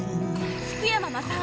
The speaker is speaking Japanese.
福山雅治